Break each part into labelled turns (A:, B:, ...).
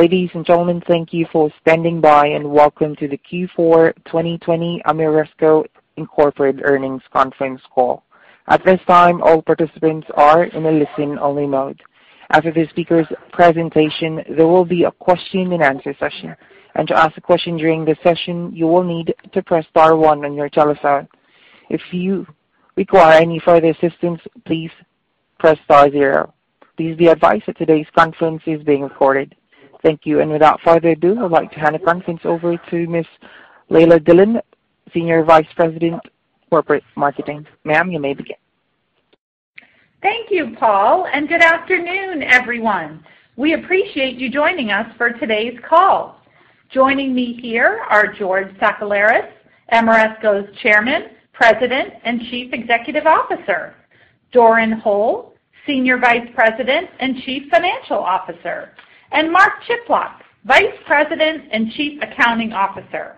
A: Ladies and gentlemen, thank you for standing by, and welcome to the Q4 2020 Ameresco, Inc. earnings conference call. At this time, all participants are in a listen-only mode. After the speakers' presentation, there will be a question-and-answer session. To ask a question during this session, you will need to press star one on your telephone. If you require any further assistance, please press star zero. Please be advised that today's conference is being recorded. Thank you. Without further ado, I'd like to hand the conference over to Ms. Leila Dillon, Senior Vice President, Corporate Marketing. Ma'am, you may begin.
B: Thank you, Paul. Good afternoon, everyone. We appreciate you joining us for today's call. Joining me here are George Sakellaris, Ameresco's Chairman, President, and Chief Executive Officer. Doran Hole, Senior Vice President and Chief Financial Officer. Mark Chiplock, Vice President and Chief Accounting Officer.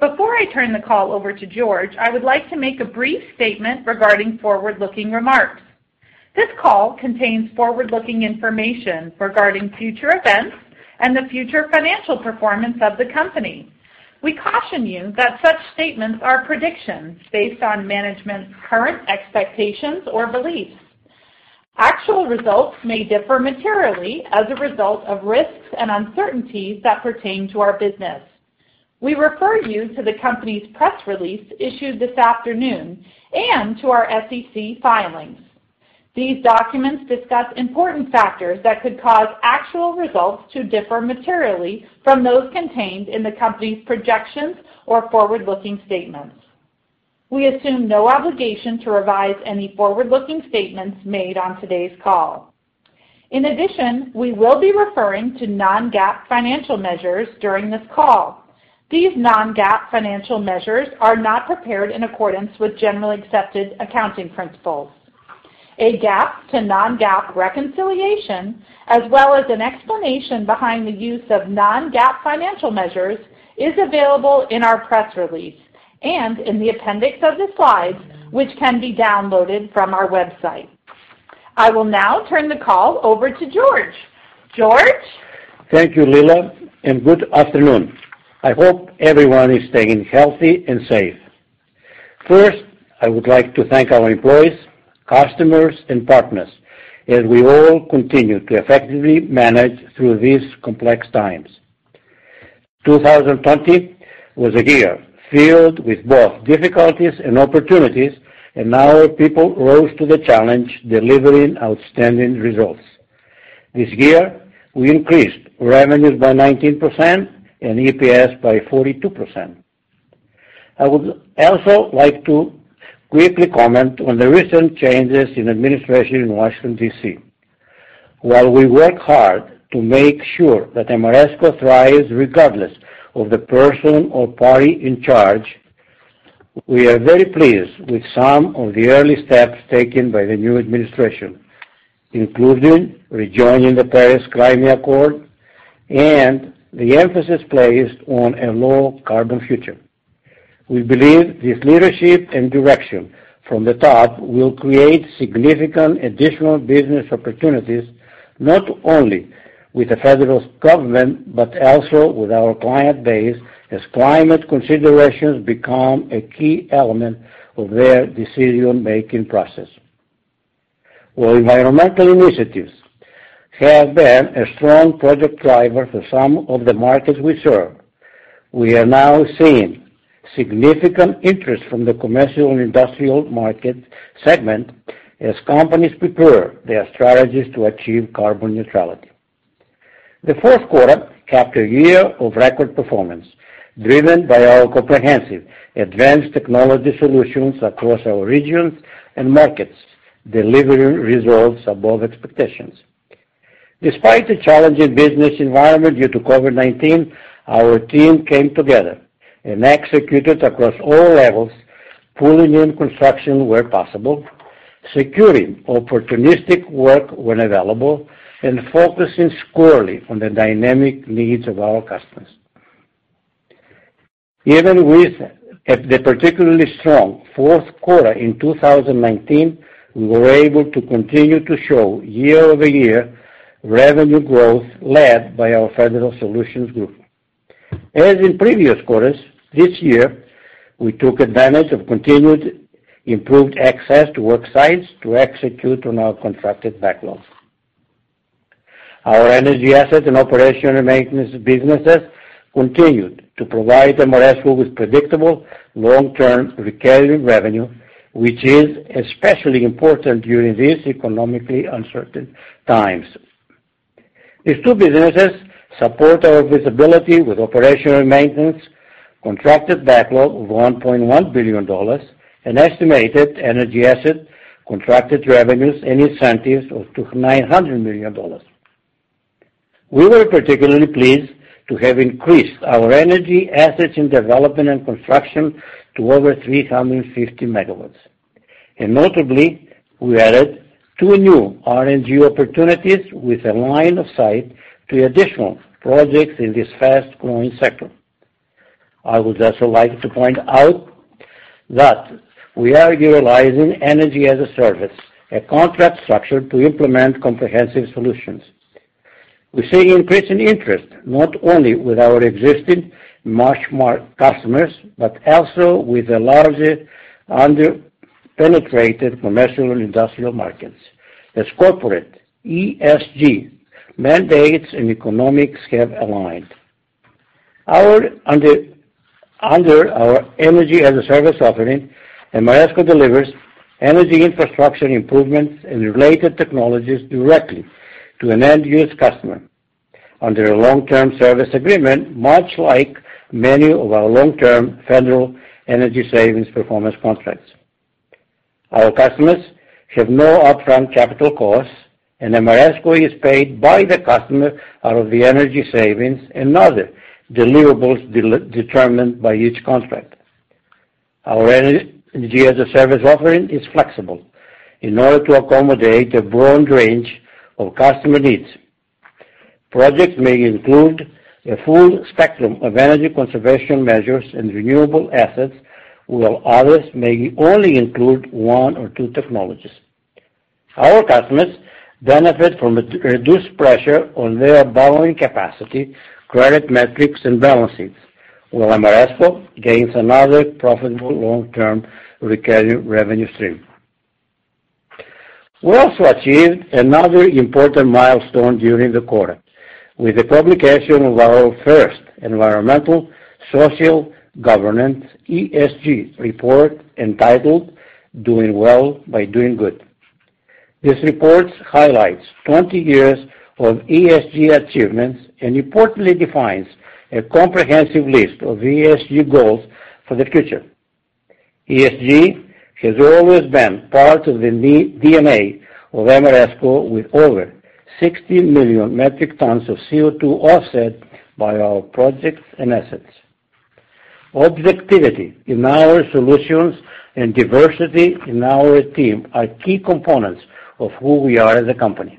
B: Before I turn the call over to George, I would like to make a brief statement regarding forward-looking remarks. This call contains forward-looking information regarding future events and the future financial performance of the company. We caution you that such statements are predictions based on management's current expectations or beliefs. Actual results may differ materially as a result of risks and uncertainties that pertain to our business. We refer you to the company's press release issued this afternoon and to our SEC filings. These documents discuss important factors that could cause actual results to differ materially from those contained in the company's projections or forward-looking statements. We assume no obligation to revise any forward-looking statements made on today's call. In addition, we will be referring to non-GAAP financial measures during this call. These non-GAAP financial measures are not prepared in accordance with generally accepted accounting principles. A GAAP to non-GAAP reconciliation, as well as an explanation behind the use of non-GAAP financial measures, is available in our press release and in the appendix of the slides, which can be downloaded from our website. I will now turn the call over to George. George?
C: Thank you, Leila. Good afternoon. I hope everyone is staying healthy and safe. First, I would like to thank our employees, customers, and partners as we all continue to effectively manage through these complex times. 2020 was a year filled with both difficulties and opportunities, and our people rose to the challenge, delivering outstanding results. This year, we increased revenues by 19% and EPS by 42%. I would also like to quickly comment on the recent changes in administration in Washington, D.C. While we work hard to make sure that Ameresco thrives regardless of the person or party in charge, we are very pleased with some of the early steps taken by the new administration, including rejoining the Paris Agreement and the emphasis placed on a low-carbon future. We believe this leadership and direction from the top will create significant additional business opportunities, not only with the federal government but also with our client base, as climate considerations become a key element of their decision-making process. While environmental initiatives have been a strong project driver for some of the markets we serve, we are now seeing significant interest from the commercial and industrial market segment as companies prepare their strategies to achieve carbon neutrality. The fourth quarter capped a year of record performance driven by our comprehensive advanced technology solutions across our regions and markets, delivering results above expectations. Despite the challenging business environment due to COVID-19, our team came together and executed across all levels, pulling in construction where possible, securing opportunistic work when available, and focusing squarely on the dynamic needs of our customers. Even with the particularly strong fourth quarter in 2019, we were able to continue to show year-over-year revenue growth led by our Federal Solutions group. As in previous quarters, this year, we took advantage of continued improved access to work sites to execute on our contracted backlogs. Our energy assets and operation and maintenance businesses continued to provide Ameresco with predictable long-term recurring revenue, which is especially important during these economically uncertain times. These two businesses support our visibility with operation and maintenance contracted backlog of $1.1 billion and estimated energy asset contracted revenues and incentives of $900 million. We were particularly pleased to have increased our energy assets in development and construction to over 350 MW. Notably, we added two new RNG opportunities with a line of sight to additional projects in this fast-growing sector. I would also like to point out that we are utilizing Energy-as-a-service, a contract structure to implement comprehensive solutions. We're seeing increasing interest, not only with our existing much more customers, but also with the larger under-penetrated commercial and industrial markets. As corporate ESG mandates and economics have aligned. Under our Energy-as-a-service offering, Ameresco delivers energy infrastructure improvements and related technologies directly to an end-use customer under a long-term service agreement, much like many of our long-term federal energy savings performance contracts. Our customers have no upfront capital costs, and Ameresco is paid by the customer out of the energy savings and other deliverables determined by each contract. Our Energy-as-a-service offering is flexible in order to accommodate a broad range of customer needs. Projects may include a full spectrum of energy conservation measures and renewable assets, while others may only include one or two technologies. Our customers benefit from reduced pressure on their borrowing capacity, credit metrics, and balance sheets, while Ameresco gains another profitable long-term recurring revenue stream. We also achieved another important milestone during the quarter with the publication of our first Environmental, Social, and Governance, ESG report, entitled Doing Well by Doing Good. This report highlights 20 years of ESG achievements and importantly defines a comprehensive list of ESG goals for the future. ESG has always been part of the DNA of Ameresco, with over 60 million metric tons of CO2 offset by our projects and assets. Objectivity in our solutions and diversity in our team are key components of who we are as a company.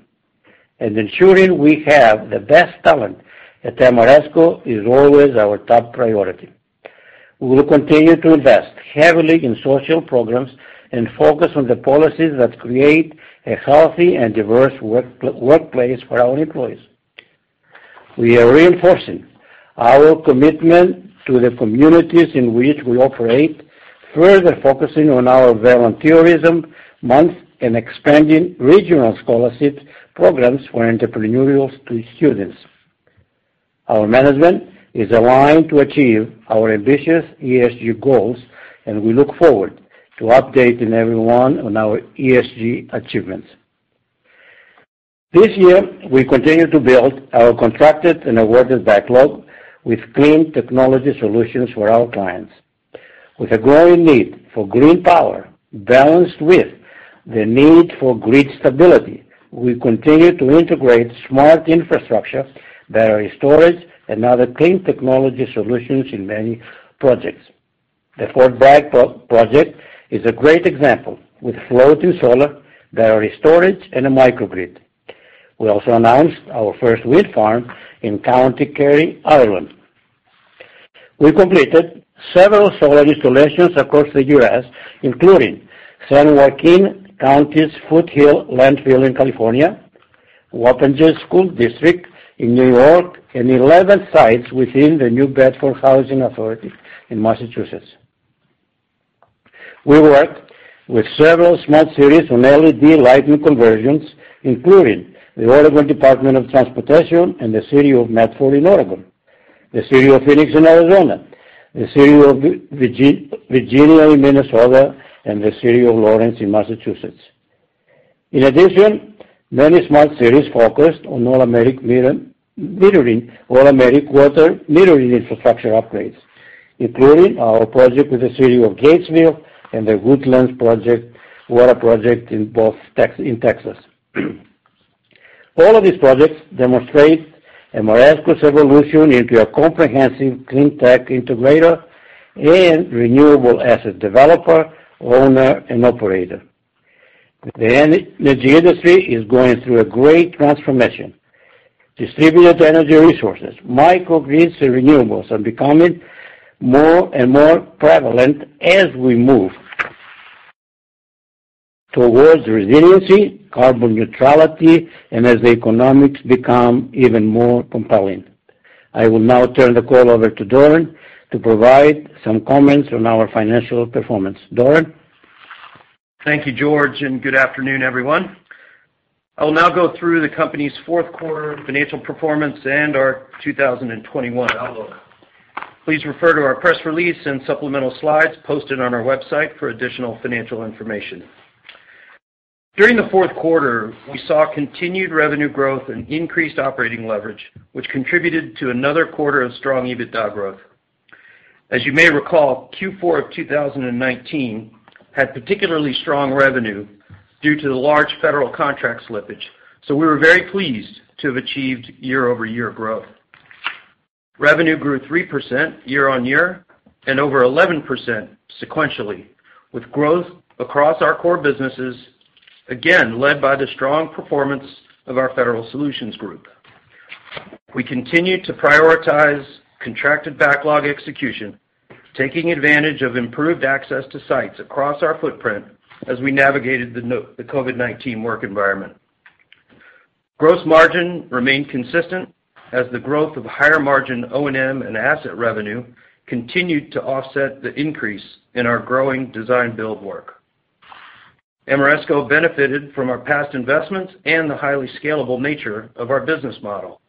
C: Ensuring we have the best talent at Ameresco is always our top priority. We will continue to invest heavily in social programs and focus on the policies that create a healthy and diverse workplace for our employees. We are reinforcing our commitment to the communities in which we operate, further focusing on our volunteerism month and expanding regional scholarship programs for entrepreneurial students. Our management is aligned to achieve our ambitious ESG goals, and we look forward to updating everyone on our ESG achievements. This year, we continue to build our contracted and awarded backlog with clean technology solutions for our clients. With a growing need for green power balanced with the need for grid stability, we continue to integrate smart infrastructure, battery storage, and other clean technology solutions in many projects. The Fort Bragg project is a great example, with floating solar, battery storage, and a microgrid. We also announced our first wind farm in County Kerry, Ireland. We completed several solar installations across the U.S., including San Joaquin County's Foothill Landfill in California, Wappingers School District in New York, and 11 sites within the New Bedford Housing Authority in Massachusetts. We worked with several smart cities on LED lighting conversions, including the Oregon Department of Transportation and the City of Medford in Oregon, the City of Phoenix in Arizona, the City of Virginia in Minnesota, and the City of Lawrence in Massachusetts. In addition, many smart cities focused on North American water metering infrastructure upgrades, including our project with the City of Gainesville and The Woodlands water project in both in Texas. All of these projects demonstrate Ameresco's evolution into a comprehensive clean tech integrator and renewable asset developer, owner, and operator. The energy industry is going through a great transformation. Distributed energy resources, microgrids and renewables are becoming more and more prevalent as we move towards resiliency, carbon neutrality, and as the economics become even more compelling. I will now turn the call over to Doran to provide some comments on our financial performance. Doran?
D: Thank you, George, and good afternoon, everyone. I will now go through the company's fourth quarter financial performance and our 2021 outlook. Please refer to our press release and supplemental slides posted on our website for additional financial information. During the fourth quarter, we saw continued revenue growth and increased operating leverage, which contributed to another quarter of strong EBITDA growth. As you may recall, Q4 of 2019 had particularly strong revenue due to the large federal contract slippage, so we were very pleased to have achieved year-over-year growth. Revenue grew 3% year on year and over 11% sequentially, with growth across our core businesses, again, led by the strong performance of our Federal Solutions Group. We continued to prioritize contracted backlog execution, taking advantage of improved access to sites across our footprint as we navigated the COVID-19 work environment. Gross margin remained consistent as the growth of higher margin O&M and asset revenue continued to offset the increase in our growing design-build work. Ameresco benefited from our past investments and the highly scalable nature of our business model.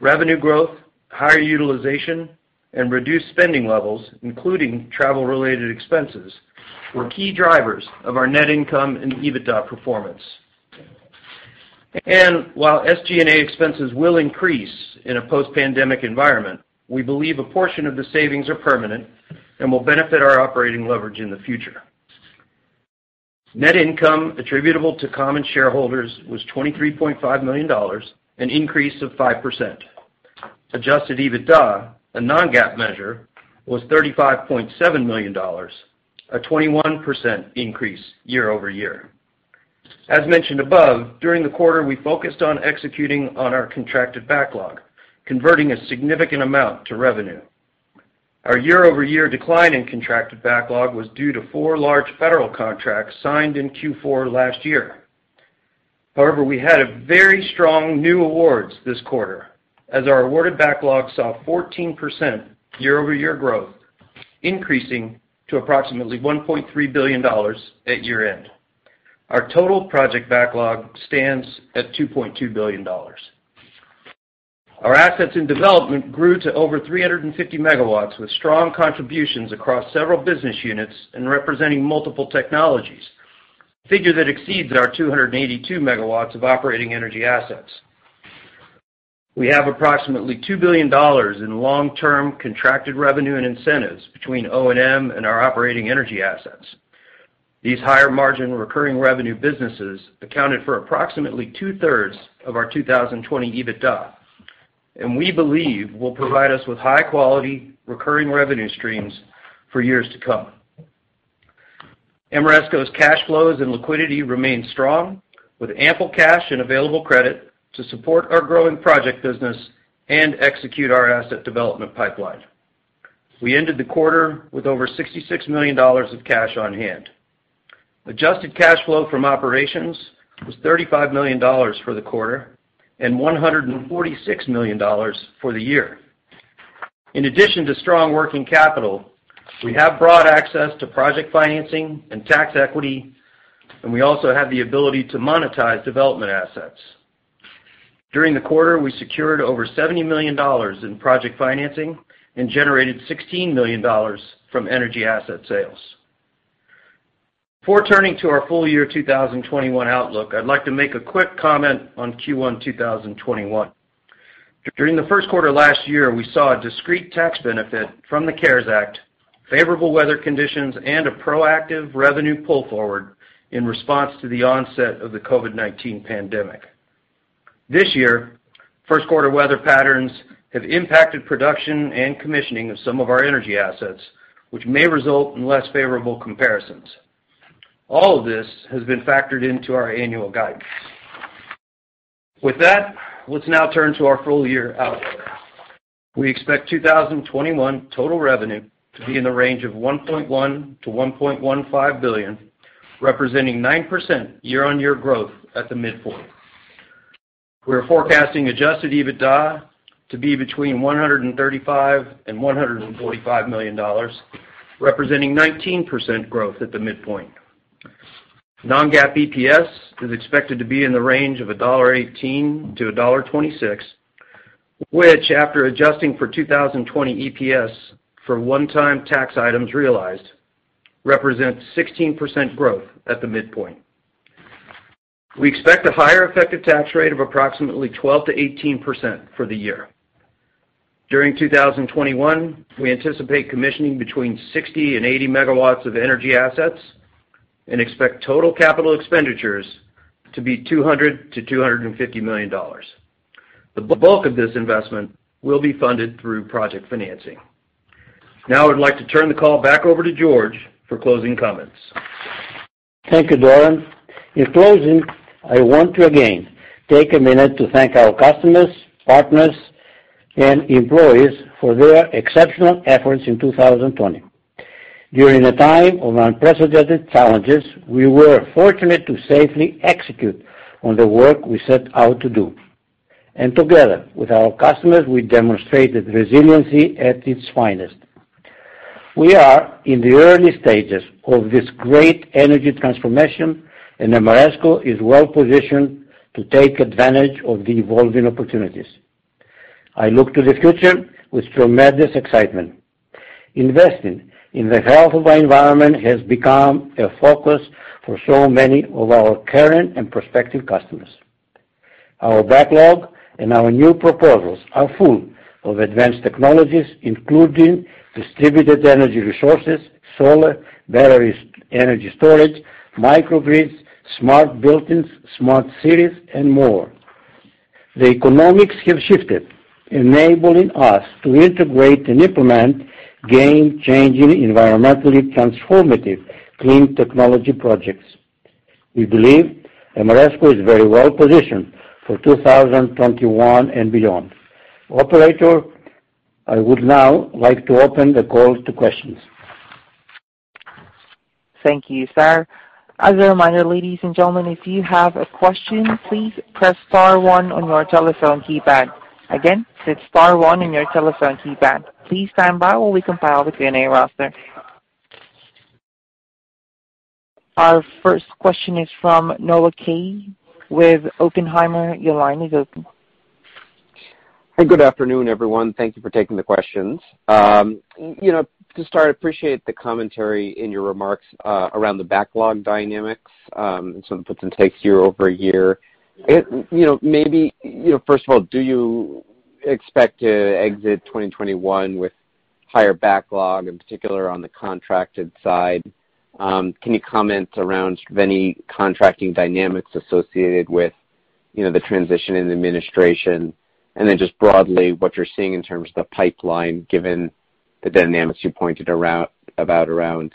D: Revenue growth, higher utilization, and reduced spending levels, including travel-related expenses, were key drivers of our net income and EBITDA performance. While SGA expenses will increase in a post-pandemic environment, we believe a portion of the savings are permanent and will benefit our operating leverage in the future. Net income attributable to common shareholders was $23.5 million, an increase of 5%. Adjusted EBITDA, a non-GAAP measure, was $35.7 million, a 21% increase year-over-year. As mentioned above, during the quarter, we focused on executing on our contracted backlog, converting a significant amount to revenue. Our year-over-year decline in contracted backlog was due to four large federal contracts signed in Q4 last year. We had a very strong new awards this quarter, as our awarded backlog saw 14% year-over-year growth, increasing to approximately $1.3 billion at year-end. Our total project backlog stands at $2.2 billion. Our assets in development grew to over 350 MW, with strong contributions across several business units and representing multiple technologies, a figure that exceeds our 282 MW of operating energy assets. We have approximately $2 billion in long-term contracted revenue and incentives between O&M and our operating energy assets. These higher-margin, recurring revenue businesses accounted for approximately 2/3 of our 2020 EBITDA, and we believe will provide us with high-quality, recurring revenue streams for years to come. Ameresco's cash flows and liquidity remain strong, with ample cash and available credit to support our growing project business and execute our asset development pipeline. We ended the quarter with over $66 million of cash on hand. Adjusted cash flow from operations was $35 million for the quarter and $146 million for the year. In addition to strong working capital, we have broad access to project financing and tax equity, and we also have the ability to monetize development assets. During the quarter, we secured over $70 million in project financing and generated $16 million from energy asset sales. Before turning to our full year 2021 outlook, I'd like to make a quick comment on Q1 2021. During the first quarter last year, we saw a discrete tax benefit from the CARES Act, favorable weather conditions, and a proactive revenue pull forward in response to the onset of the COVID-19 pandemic. This year, first quarter weather patterns have impacted production and commissioning of some of our energy assets, which may result in less favorable comparisons. All of this has been factored into our annual guidance. With that, let's now turn to our full-year outlook. We expect 2021 total revenue to be in the range of $1.1 billion-$1.15 billion, representing 9% year on year growth at the midpoint. We are forecasting Adjusted EBITDA to be between $135 million and $145 million, representing 19% growth at the midpoint. Non-GAAP EPS is expected to be in the range of $1.18-$1.26, which, after adjusting for 2020 EPS for one-time tax items realized, represents 16% growth at the midpoint. We expect a higher effective tax rate of approximately 12%-18% for the year. During 2021, we anticipate commissioning between 60 MW and 80 MW of energy assets and expect total capital expenditures to be $200 million-$250 million. The bulk of this investment will be funded through project financing. Now, I would like to turn the call back over to George for closing comments.
C: Thank you, Doran. In closing, I want to again take a minute to thank our customers, partners, and employees for their exceptional efforts in 2020. During a time of unprecedented challenges, we were fortunate to safely execute on the work we set out to do. Together with our customers, we demonstrated resiliency at its finest. We are in the early stages of this great energy transformation. Ameresco is well-positioned to take advantage of the evolving opportunities. I look to the future with tremendous excitement. Investing in the health of our environment has become a focus for so many of our current and prospective customers. Our backlog and our new proposals are full of advanced technologies, including distributed energy resources, solar, batteries, energy storage, microgrids, smart buildings, smart cities, and more. The economics have shifted, enabling us to integrate and implement game-changing environmentally transformative clean technology projects. We believe Ameresco is very well-positioned for 2021 and beyond. Operator, I would now like to open the call to questions.
A: Thank you, sir. As a reminder, ladies and gentlemen, if you have a question, please press star one on your telephone keypad. Again, it is star one on your telephone keypad. Please stand by while we compile the Q&A roster. Our first question is from Noah Kaye with Oppenheimer. Your line is open.
E: Hi, good afternoon, everyone. Thank you for taking the questions. To start, appreciate the commentary in your remarks around the backlog dynamics, some puts and takes year-over-year. First of all, do you expect to exit 2021 with higher backlog, in particular on the contracted side? Can you comment around any contracting dynamics associated with the transition in administration? Then just broadly, what you're seeing in terms of the pipeline, given the dynamics you pointed about around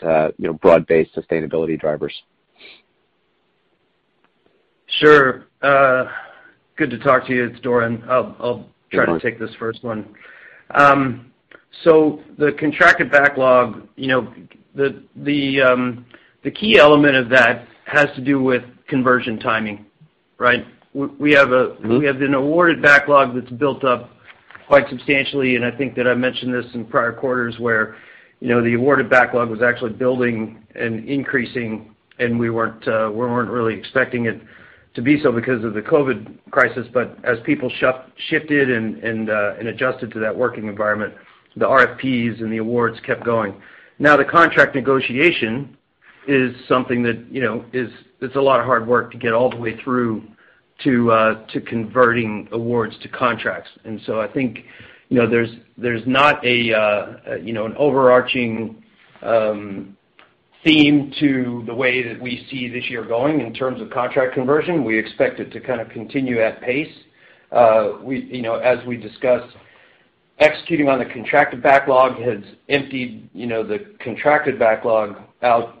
E: broad-based sustainability drivers.
D: Sure. Good to talk to you. It's Doran. I'll try to take this first one. The contracted backlog, the key element of that has to do with conversion timing, right? We have an awarded backlog that's built up quite substantially. I think that I mentioned this in prior quarters, where the awarded backlog was actually building and increasing, and we weren't really expecting it to be so because of the COVID-19 crisis. As people shifted and adjusted to that working environment, the RFPs and the awards kept going. Now, the contract negotiation is something that it's a lot of hard work to get all the way through to converting awards to contracts. I think there's not an overarching theme to the way that we see this year going in terms of contract conversion. We expect it to kind of continue at pace. As we discussed, executing on the contracted backlog has emptied the contracted backlog out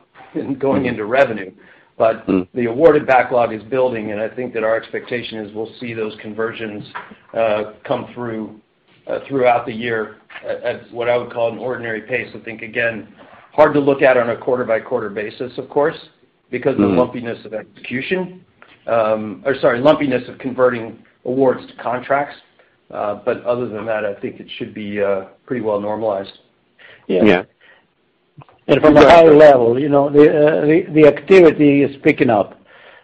D: going into revenue. The awarded backlog is building, and I think that our expectation is we'll see those conversions come through throughout the year at what I would call an ordinary pace. I think, again, hard to look at on a quarter by quarter basis, of course, because of the lumpiness of execution. Sorry, lumpiness of converting awards to contracts. Other than that, I think it should be pretty well normalized.
C: Yeah.
E: Yeah.
C: From a high level, the activity is picking up.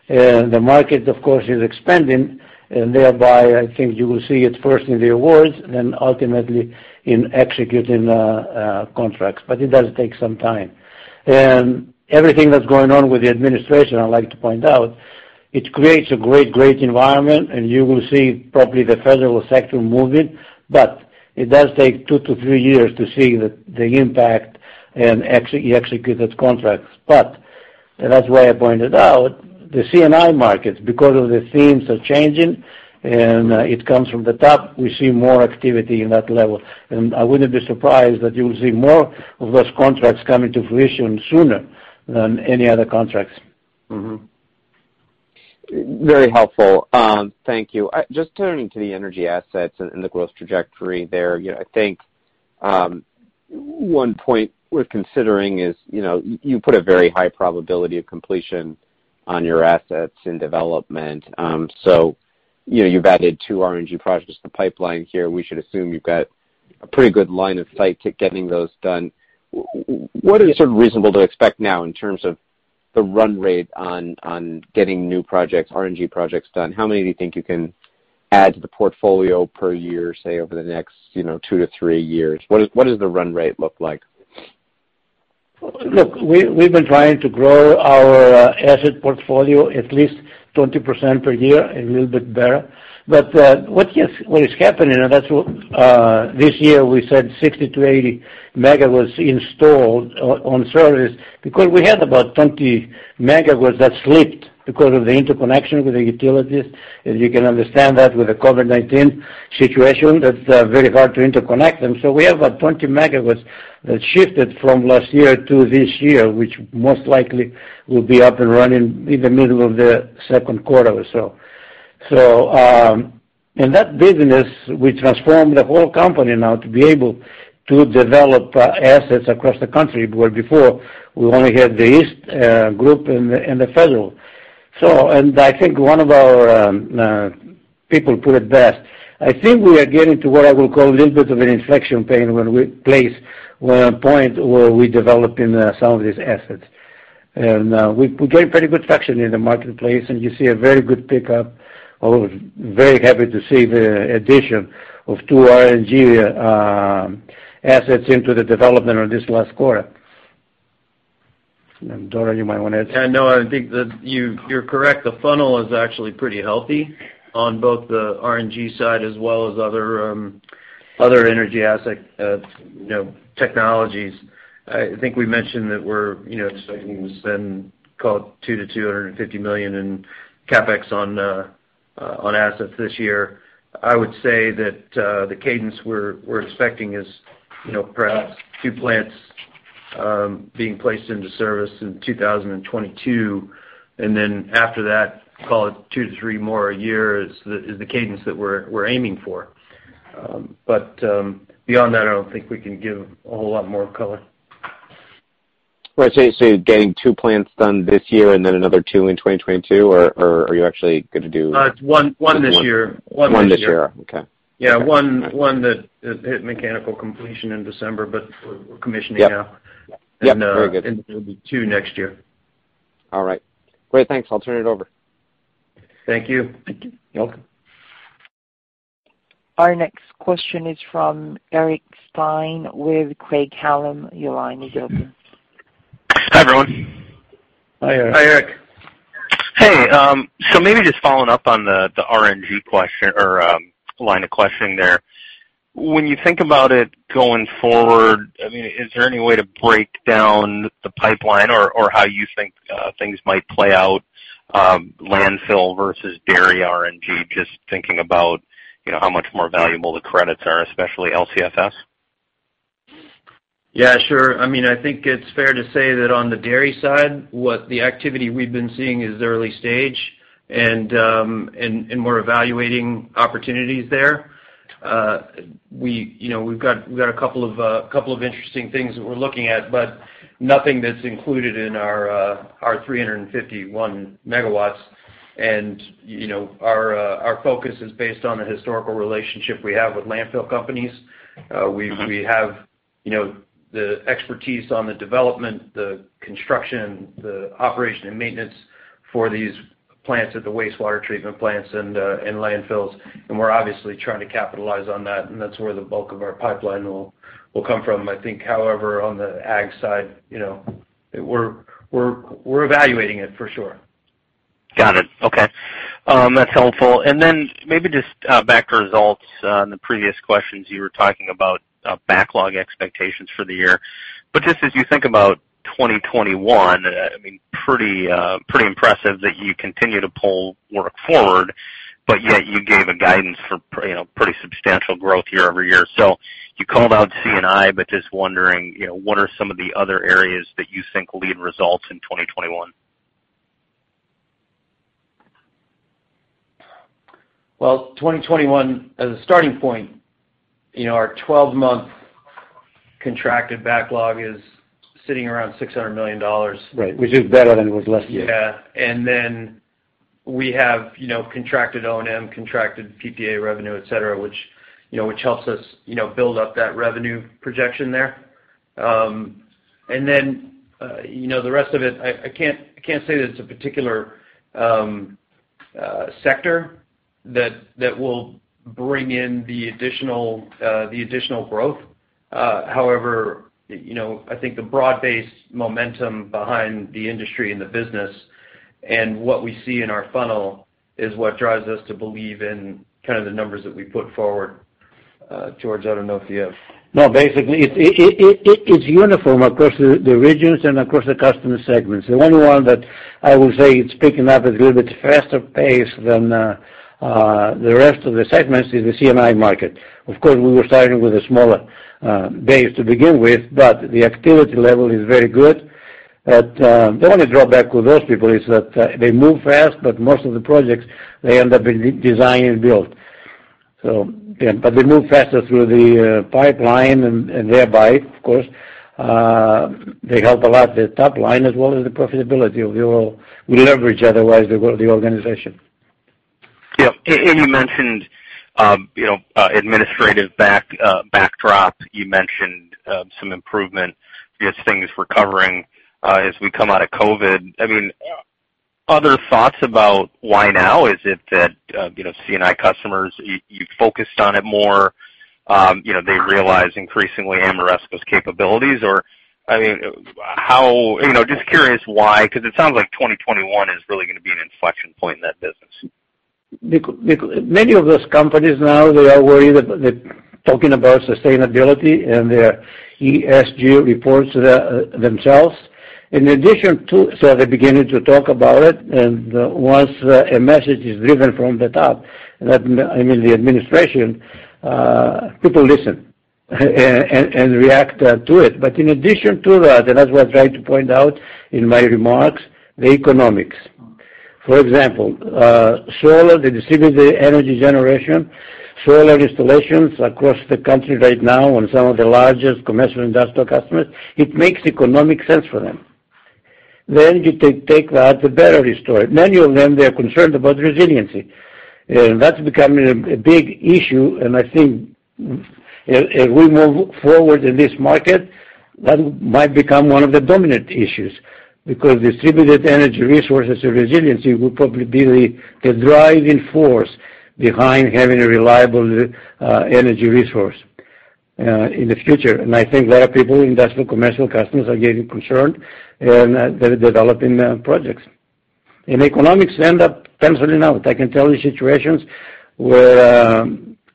C: The market, of course, is expanding, and thereby, I think you will see it first in the awards, then ultimately in executing contracts. It does take some time. Everything that's going on with the administration, I'd like to point out, it creates a great environment, and you will see probably the federal sector moving. It does take two to three years to see the impact and you execute those contracts. That's why I pointed out the C&I markets, because of the themes are changing, and it comes from the top. We see more activity in that level. I wouldn't be surprised that you'll see more of those contracts coming to fruition sooner than any other contracts.
E: Very helpful. Thank you. Turning to the energy assets and the growth trajectory there. I think one point worth considering is you put a very high probability of completion on your assets in development. You've added two RNG projects to the pipeline here. We should assume you've got a pretty good line of sight to getting those done. What is sort of reasonable to expect now in terms of the run rate on getting new projects, RNG projects done? How many do you think you can add to the portfolio per year, say, over the next two to three years? What does the run rate look like?
C: Look, we've been trying to grow our asset portfolio at least 20% per year, a little bit better. What is happening, and that's what this year we said 60 MW-80 MW installed on service, because we had about 20 MW that slipped because of the interconnection with the utilities. As you can understand that with the COVID-19 situation, that's very hard to interconnect them. We have about 20 MW that shifted from last year to this year, which most likely will be up and running in the middle of the second quarter or so. In that business, we transformed the whole company now to be able to develop assets across the country, where before we only had the east group and the Federal. I think one of our people put it best. I think we are getting to what I will call a little bit of an inflection point when we place one point where we developing some of these assets. We gain pretty good traction in the marketplace, and you see a very good pickup. I was very happy to see the addition of two RNG assets into the development on this last quarter. Doran, you might want to add.
D: No, I think that you're correct. The funnel is actually pretty healthy on both the RNG side as well as other energy asset technologies. I think we mentioned that we're expecting to spend, call it $200 million-$250 million in CapEx on assets this year. I would say that the cadence we're expecting is perhaps two plants being placed into service in 2022. After that, call it two to three more a year is the cadence that we're aiming for. Beyond that, I don't think we can give a whole lot more color.
E: Right. You're getting two plants done this year and then another two in 2022? Are you actually going to do.
D: One this year.
E: One this year. Okay.
D: Yeah. One that hit mechanical completion in December, but we're commissioning now.
E: Yep. Very good.
D: It'll be two next year.
E: All right. Great. Thanks. I'll turn it over.
D: Thank you.
C: Thank you.
D: You're welcome.
A: Our next question is from Eric Stine with Craig-Hallum. Your line is open.
F: Hi, everyone.
D: Hi, Eric.
C: Hi, Eric.
F: Hey. Maybe just following up on the RNG question or line of questioning there. When you think about it going forward, is there any way to break down the pipeline or how you think things might play out, landfill versus dairy RNG, just thinking about how much more valuable the credits are, especially LCFS?
D: Yeah, sure. I think it's fair to say that on the dairy side, what the activity we've been seeing is early-stage, and we're evaluating opportunities there. We've got a couple of interesting things that we're looking at, nothing that's included in our 351 MW. Our focus is based on the historical relationship we have with landfill companies. We have the expertise on the development, the construction, the operation, and maintenance for these plants at the wastewater treatment plants and landfills. We're obviously trying to capitalize on that, and that's where the bulk of our pipeline will come from. I think, however, on the ag side, we're evaluating it for sure.
F: Got it. Okay. Then maybe just back to results. In the previous questions, you were talking about backlog expectations for the year. Just as you think about 2021, pretty impressive that you continue to pull work forward, but yet you gave a guidance for pretty substantial growth year-over-year. You called out C&I, but just wondering, what are some of the other areas that you think will lead results in 2021?
D: Well, 2021, as a starting point, our 12-month contracted backlog is sitting around $600 million.
C: Right. Which is better than it was last year.
D: Yeah. We have contracted O&M, contracted PPA revenue, et cetera, which helps us build up that revenue projection there. The rest of it, I can't say that it's a particular sector that will bring in the additional growth. However, I think the broad-based momentum behind the industry and the business and what we see in our funnel is what drives us to believe in the numbers that we put forward. George, I don't know if you have
C: No, basically, it's uniform across the regions and across the customer segments. The only one that I would say it's picking up at a little bit faster pace than the rest of the segments is the C&I market. Of course, we were starting with a smaller base to begin with. The activity level is very good. The only drawback with those people is that they move fast, but most of the projects, they end up being design-build. They move faster through the pipeline and thereby, of course, they help a lot the top line as well as the profitability of Ameresco, Inc., otherwise the organization.
F: Yeah. You mentioned administrative backdrop. You mentioned some improvement as things recovering as we come out of COVID-19. Other thoughts about why now? Is it that C&I customers, you focused on it more, they realize increasingly Ameresco's capabilities? Just curious why, because it sounds like 2021 is really going to be an inflection point in that business.
C: Many of those companies now, they are worried, they're talking about sustainability and their ESG reports themselves. They're beginning to talk about it, and once a message is driven from the top, I mean, the administration, people listen and react to it. In addition to that, and as I was trying to point out in my remarks, the economics. For example, solar, the distributed energy resources, solar installations across the country right now on some of the largest commercial industrial customers, it makes economic sense for them. You take that, the battery storage. Many of them, they're concerned about resiliency. That's becoming a big issue, and I think as we move forward in this market, that might become one of the dominant issues, because distributed energy resources and resiliency will probably be the driving force behind having a reliable energy resource in the future. I think a lot of people, industrial commercial customers, are getting concerned and they're developing projects. In economics, they end up canceling out. I can tell you situations where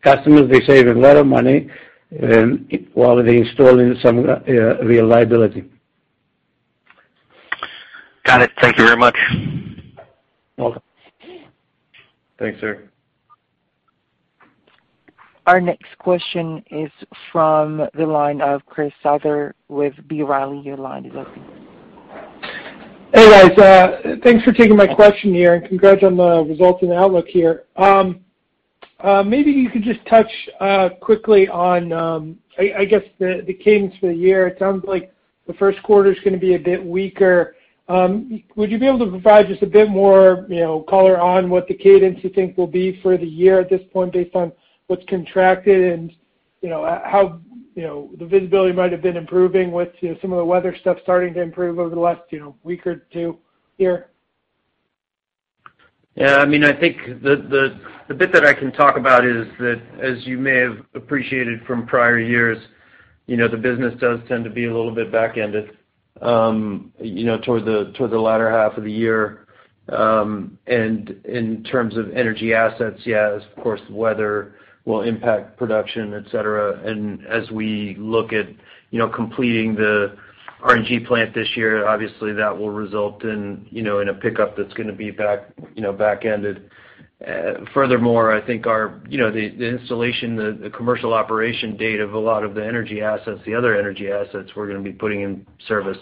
C: customers, they're saving a lot of money while they're installing some reliability.
F: Got it. Thank you very much.
C: Welcome.
D: Thanks, sir.
A: Our next question is from the line of Chris Souther with B. Riley. Your line is open.
G: Hey, guys. Thanks for taking my question here, and congrats on the results and outlook here. Maybe you could just touch quickly on, I guess, the cadence for the year. It sounds like the first quarter is going to be a bit weaker. Would you be able to provide just a bit more color on what the cadence you think will be for the year at this point based on what's contracted and how the visibility might have been improving with some of the weather stuff starting to improve over the last week or two here?
D: Yeah. I think the bit that I can talk about is that as you may have appreciated from prior years, the business does tend to be a little bit back-ended toward the latter half of the year. In terms of energy assets, yes, of course, weather will impact production, et cetera. As we look at completing the RNG plant this year, obviously that will result in a pickup that's going to be back-ended. Furthermore, I think the installation, the commercial operation date of a lot of the energy assets, the other energy assets we're going to be putting in service,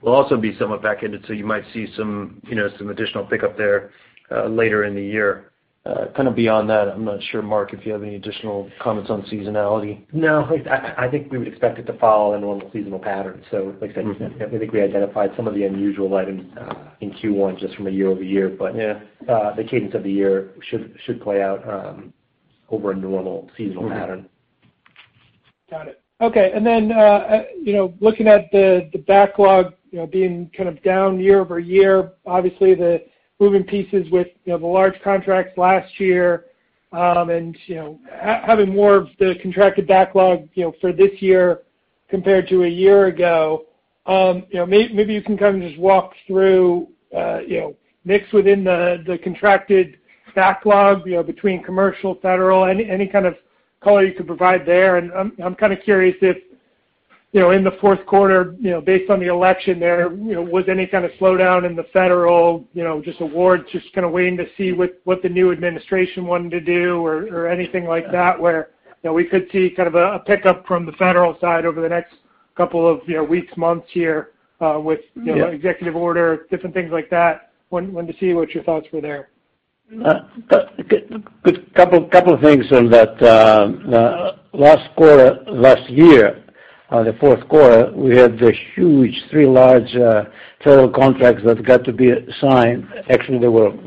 D: will also be somewhat back-ended. You might see some additional pickup there later in the year. Kind of beyond that, I'm not sure, Mark, if you have any additional comments on seasonality.
H: No. I think we would expect it to follow a normal seasonal pattern. Like I said, I think we identified some of the unusual items in Q1 just from a year-over-year.
D: Yeah.
H: The cadence of the year should play out over a normal seasonal pattern.
G: Got it. Okay. Looking at the backlog being kind of down year-over-year, obviously the moving pieces with the large contracts last year, and having more of the contracted backlog for this year compared to a year ago. Maybe you can kind of just walk through mix within the contracted backlog between commercial, Federal, any kind of color you could provide there. I'm kind of curious if in the fourth quarter, based on the election there, was any kind of slowdown in the Federal, just awards, just kind of waiting to see what the new administration wanted to do or anything like that where we could see kind of a pickup from the Federal side over the next couple of weeks, months here- Yeah. Executive order, different things like that. Wanted to see what your thoughts were there.
C: A good couple of things on that. Last quarter, last year, the fourth quarter, we had the huge three large federal contracts that got to be signed. Actually,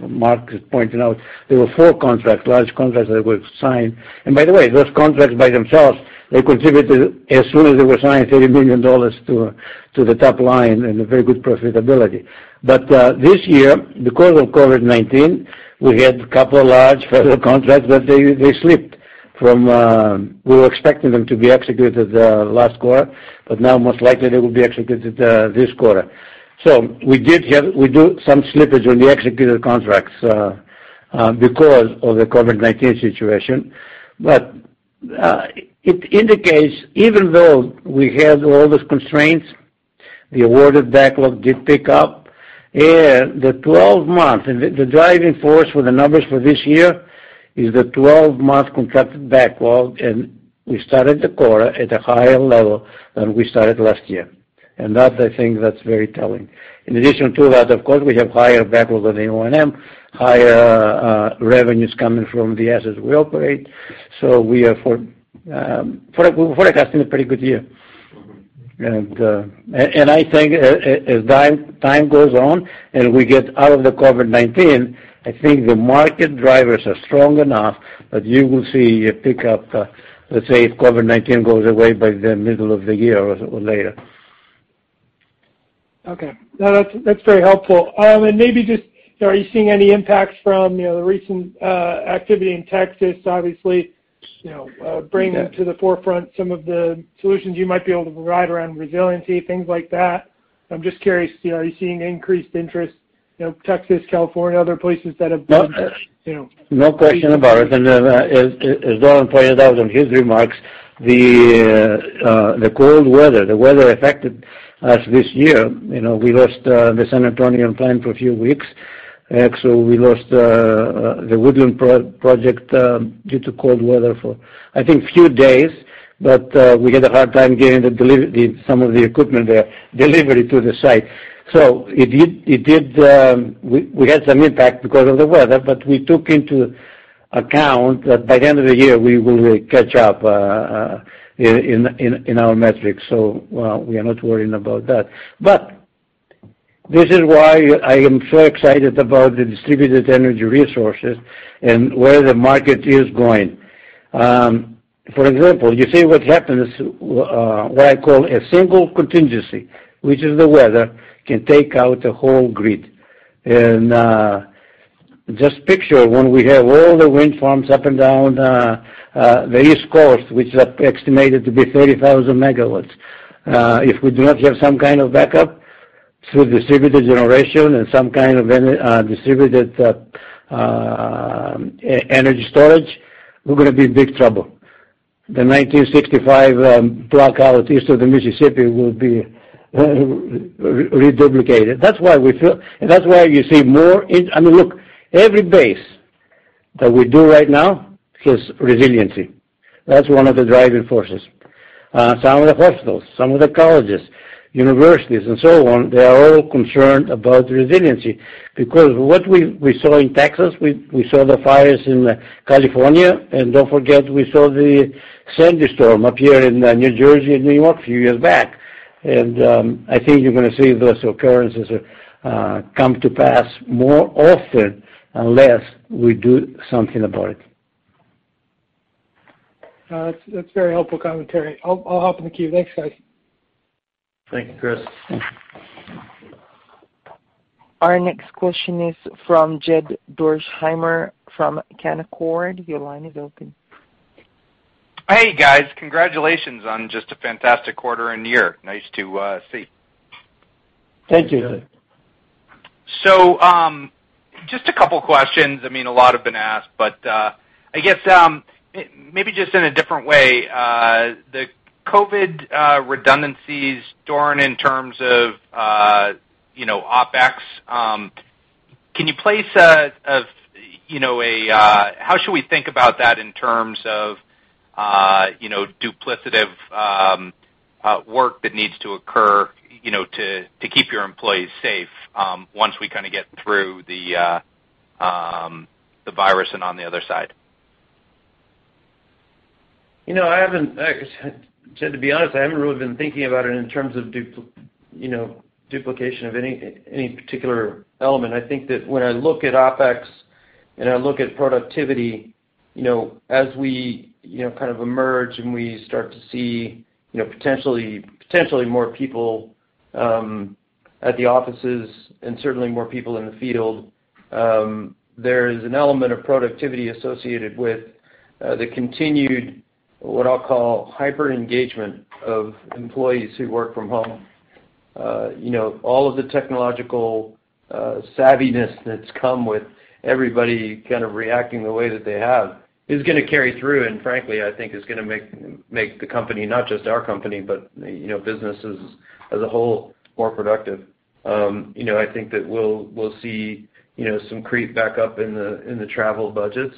C: Mark is pointing out there were four contracts, large contracts that were signed. By the way, those contracts by themselves, they contributed, as soon as they were signed, $30 million to the top line and a very good profitability. This year, because of COVID-19, we had a couple of large federal contracts. We were expecting them to be executed last quarter, but now most likely they will be executed this quarter. We do some slippage on the executed contracts because of the COVID-19 situation. It indicates even though we had all those constraints, the awarded backlog did pick up. The 12-month, the driving force for the numbers for this year is the 12-month contracted backlog, and we started the quarter at a higher level than we started last year. That, I think, that's very telling. In addition to that, of course, we have higher backlog on the O&M, higher revenues coming from the assets we operate. We are forecasting a pretty good year. I think as time goes on and we get out of the COVID-19, I think the market drivers are strong enough that you will see a pickup, let's say, if COVID-19 goes away by the middle of the year or later.
G: Okay. No, that's very helpful. Maybe just, are you seeing any impacts from the recent activity in Texas, obviously, bringing to the forefront some of the solutions you might be able to provide around resiliency, things like that? I'm just curious, are you seeing increased interest, Texas, California, other places that have been?
C: No question about it. As Doran pointed out on his remarks, the cold weather, the weather affected us this year. We lost the San Antonio plant for a few weeks. Actually, we lost The Woodlands project due to cold weather for, I think, a few days, but we had a hard time getting some of the equipment there delivered to the site. We had some impact because of the weather, but we took into account that by the end of the year, we will catch up in our metrics. We are not worrying about that. This is why I am so excited about the distributed energy resources and where the market is going. For example, you see what happens, what I call a single contingency, which is the weather, can take out a whole grid. Just picture when we have all the wind farms up and down the East Coast, which are estimated to be 30,000 MW. If we do not have some kind of backup through distributed generation and some kind of distributed energy storage, we're going to be in big trouble. The 1965 blackout east of the Mississippi will be reduplicated. That's why you see more. Look, every base that we do right now has resiliency. That's one of the driving forces. Some of the hospitals, some of the colleges, universities, and so on, they are all concerned about resiliency. Because what we saw in Texas, we saw the fires in California, and don't forget, we saw the Sandy storm up here in New Jersey and New York a few years back. I think you're going to see those occurrences come to pass more often unless we do something about it.
G: That's very helpful commentary. I'll hop in the queue. Thanks, guys.
D: Thank you, Chris.
A: Our next question is from Jed Dorsheimer from Canaccord. Your line is open.
I: Hey, guys. Congratulations on just a fantastic quarter and year. Nice to see.
C: Thank you.
I: Just a couple questions. A lot have been asked, but I guess, maybe just in a different way, the COVID redundancies, Doran, in terms of OpEx. How should we think about that in terms of duplicative work that needs to occur to keep your employees safe once we kind of get through the virus and on the other side?
D: Jed, to be honest, I haven't really been thinking about it in terms of duplication of any particular element. I think that when I look at OpEx and I look at productivity, as we kind of emerge and we start to see potentially more people at the offices and certainly more people in the field, there is an element of productivity associated with the continued, what I'll call hyper-engagement of employees who work from home. All of the technological savviness that's come with everybody kind of reacting the way that they have is going to carry through, and frankly, I think is going to make the company, not just our company, but businesses as a whole, more productive. I think that we'll see some creep back up in the travel budgets,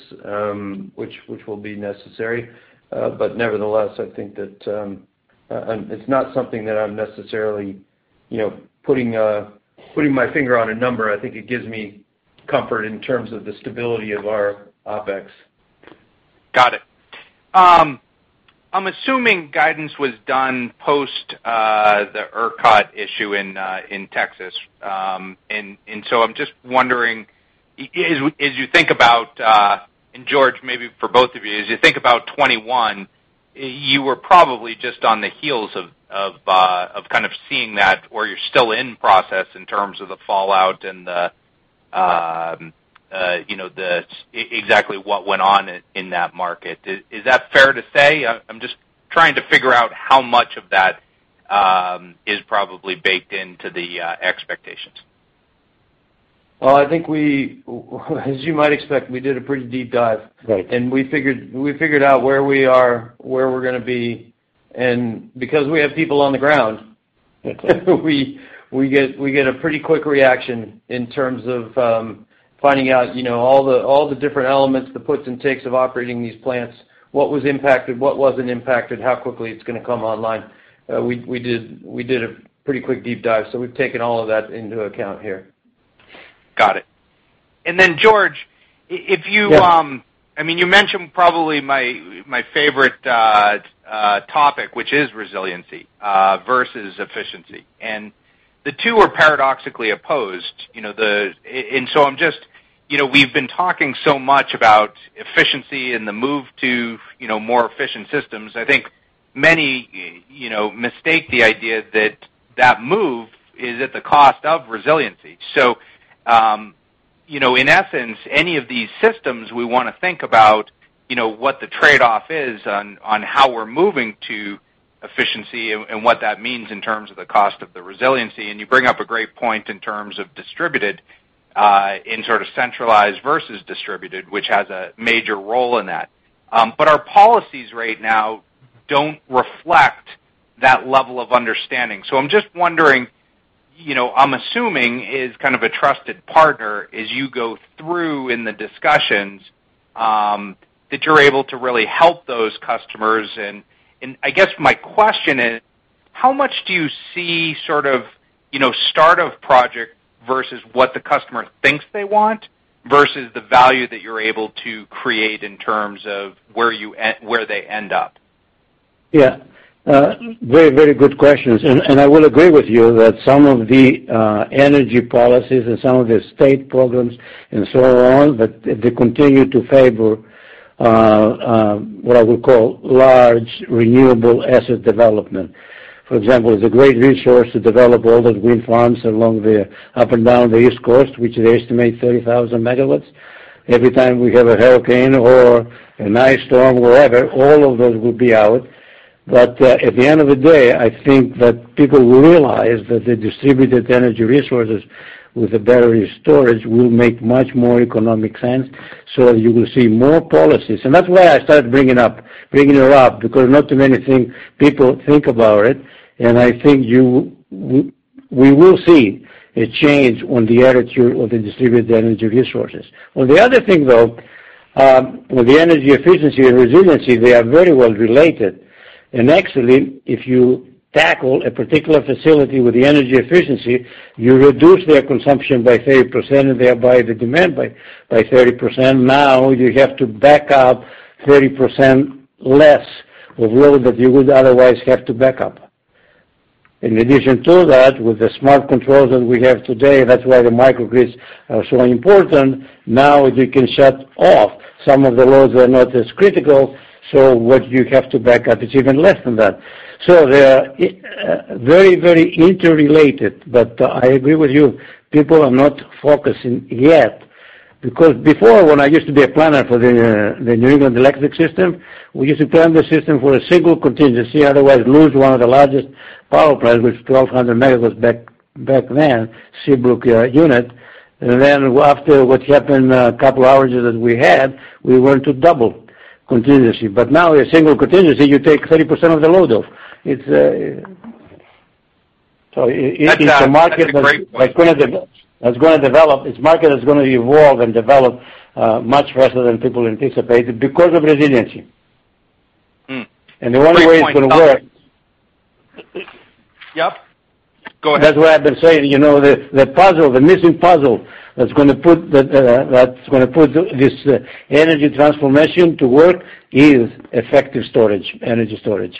D: which will be necessary. Nevertheless, I think that it's not something that I'm necessarily putting my finger on a number. I think it gives me comfort in terms of the stability of our OpEx.
I: Got it. I'm assuming guidance was done post the ERCOT issue in Texas. I'm just wondering, as you think about, and George, maybe for both of you, as you think about 2021, you were probably just on the heels of kind of seeing that, or you're still in process in terms of the fallout and exactly what went on in that market. Is that fair to say? I'm just trying to figure out how much of that is probably baked into the expectations.
D: Well, I think as you might expect, we did a pretty deep dive.
I: Right.
D: We figured out where we are, where we're going to be, and because we have people on the ground, we get a pretty quick reaction in terms of finding out all the different elements, the puts and takes of operating these plants, what was impacted, what wasn't impacted, how quickly it's going to come online. We did a pretty quick deep dive. We've taken all of that into account here.
I: Got it. George.
C: Yeah.
I: You mentioned probably my favorite topic, which is resiliency versus efficiency. The two are paradoxically opposed. We've been talking so much about efficiency and the move to more efficient systems. I think many mistake the idea that that move is at the cost of resiliency. In essence, any of these systems we want to think about what the trade-off is on how we're moving to efficiency and what that means in terms of the cost of the resiliency. You bring up a great point in terms of centralized versus distributed, which has a major role in that. Our policies right now don't reflect that level of understanding. I'm just wondering, I'm assuming as kind of a trusted partner, as you go through in the discussions, that you're able to really help those customers and I guess my question is, how much do you see sort of start of project versus what the customer thinks they want, versus the value that you're able to create in terms of where they end up?
C: Yeah. Very good questions. I will agree with you that some of the energy policies and some of the state programs and so on, that they continue to favor what I would call large renewable asset development. For example, the great resource to develop all those wind farms along the up and down the East Coast, which they estimate 30,000 MW. Every time we have a hurricane or an ice storm, whatever, all of those will be out. At the end of the day, I think that people will realize that the distributed energy resources with the battery storage will make much more economic sense. You will see more policies. That's why I started bringing it up, because not too many people think about it, and I think we will see a change on the attitude of the distributed energy resources. On the other thing, though, with the energy efficiency and resiliency, they are very well related. Actually, if you tackle a particular facility with the energy efficiency, you reduce their consumption by 30% and thereby the demand by 30%. Now, you have to back up 30% less of load that you would otherwise have to back up. In addition to that, with the smart controls that we have today, that's why the microgrids are so important. Now, you can shut off some of the loads that are not as critical. What you have to back up is even less than that. They are very interrelated. I agree with you, people are not focusing yet. Before, when I used to be a planner for the New England Electric System, we used to plan the system for a single contingency, otherwise lose one of the largest power plants, which 1,200 MW back then, Seabrook unit. After what happened, a couple of outages that we had, we went to double contingency. Now, a single contingency, you take 30% of the load off.
I: That's a great point.
C: It's a market that's going to develop. It's a market that's going to evolve and develop much faster than people anticipated because of resiliency.
I: Great point.
C: The only way it's going to work.
D: Yep. Go ahead.
C: That's why I've been saying, the missing puzzle that's going to put this energy transformation to work is effective storage, energy storage.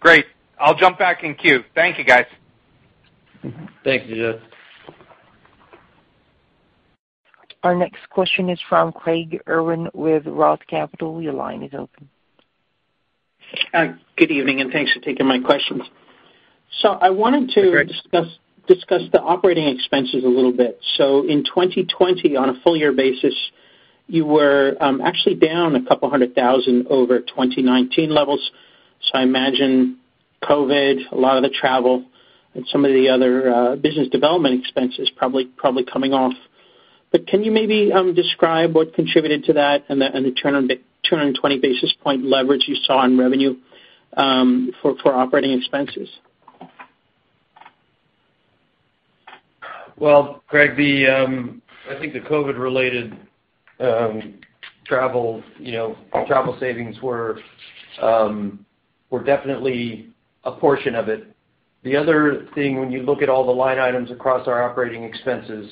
I: Great. I'll jump back in queue. Thank you, guys.
C: Thank you, Jed.
A: Our next question is from Craig Irwin with Roth Capital. Your line is open.
J: Good evening, and thanks for taking my questions.
C: Hi, Craig
J: I wanted to discuss the operating expenses a little bit. In 2020, on a full-year basis, you were actually down couple hundred thousand over 2019 levels. I imagine COVID, a lot of the travel, and some of the other business development expenses probably coming off. Can you maybe describe what contributed to that and the 220-basis point leverage you saw in revenue for operating expenses?
D: Well, Craig, I think the COVID-related travel savings were definitely a portion of it. The other thing, when you look at all the line items across our operating expenses,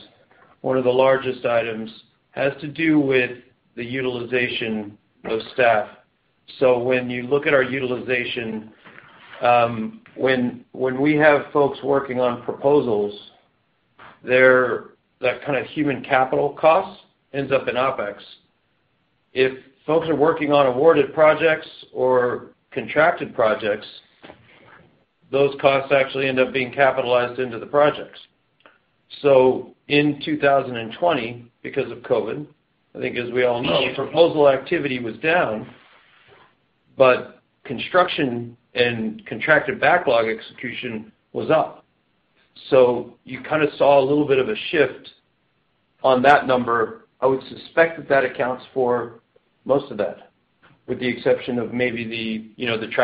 D: one of the largest items has to do with the utilization of staff. When you look at our utilization, when we have folks working on proposals, that kind of human capital cost ends up in OpEx. If folks are working on awarded projects or contracted projects, those costs actually end up being capitalized into the projects. In 2020, because of COVID, I think as we all know, proposal activity was down, but construction and contracted backlog execution was up. You kind of saw a little bit of a shift on that number. I would suspect that that accounts for most of that, with the exception of maybe the reduced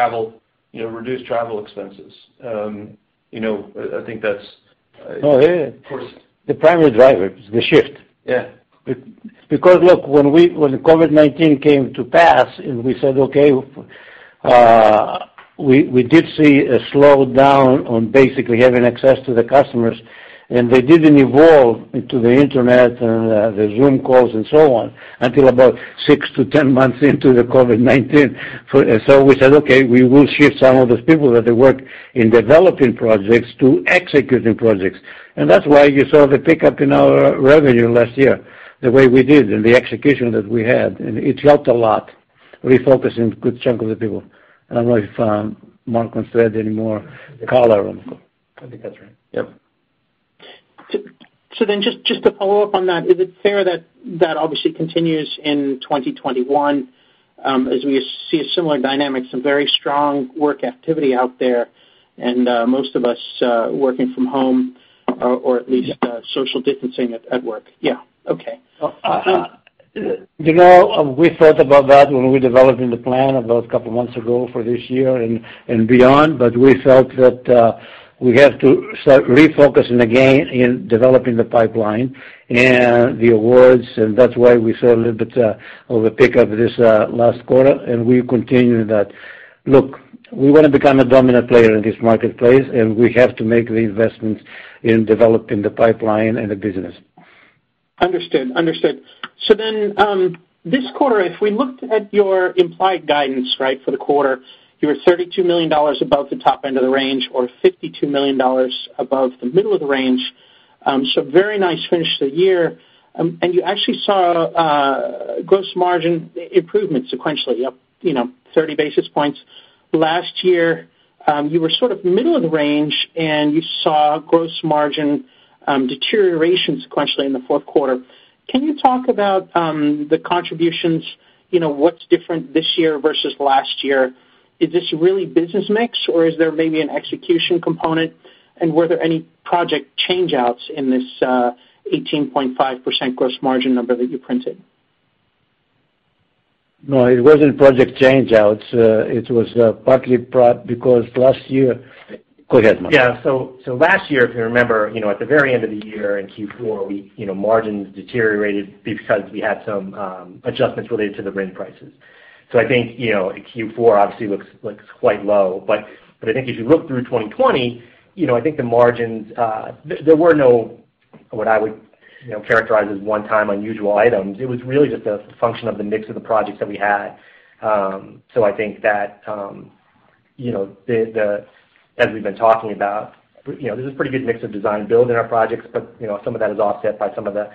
D: travel expenses.
C: Oh, yeah.
D: Of course.
C: The primary driver is the shift.
D: Yeah.
C: Look, when the COVID-19 came to pass, we said, okay, we did see a slowdown on basically having access to the customers, and they didn't evolve into the internet and the Zoom calls and so on until about 6-10 months into the COVID-19. We said, okay, we will shift some of those people that work in developing projects to executing projects. That's why you saw the pickup in our revenue last year, the way we did, and the execution that we had. It helped a lot refocusing good chunk of the people. I don't know if Mark wants to add any more color on.
H: I think that's right.
C: Yep.
J: Just to follow up on that, is it fair that that obviously continues in 2021, as we see a similar dynamic, some very strong work activity out there and most of us working from home or at least social distancing at work?
C: Yeah. Okay. You know, we thought about that when we were developing the plan about a couple of months ago for this year and beyond. But we felt that we have to start refocusing again in developing the pipeline and the awards, and that's why we saw a little bit of a pickup this last quarter, and we continue that. Look, we want to become a dominant player in this marketplace, and we have to make the investments in developing the pipeline and the business.
J: Understood. This quarter, if we looked at your implied guidance, right, for the quarter, you were $32 million above the top end of the range or $52 million above the middle of the range. Very nice finish to the year. You actually saw a gross margin improvement sequentially up 30 basis points. Last year, you were sort of middle of the range, and you saw gross margin deterioration sequentially in the fourth quarter. Can you talk about the contributions? What's different this year versus last year? Is this really business mix or is there maybe an execution component? Were there any project changeouts in this 18.5% gross margin number that you printed?
C: No, it wasn't project changeouts. It was partly because last year. Go ahead, Mark.
H: Yeah. Last year, if you remember, at the very end of the year in Q4, margins deteriorated because we had some adjustments related to the RIN prices. I think, Q4 obviously looks quite low. I think if you look through 2020, I think the margins, there were no, what I would characterize as one-time unusual items. It was really just a function of the mix of the projects that we had. I think that as we've been talking about, there's a pretty good mix of design-build in our projects, but some of that is offset by some of the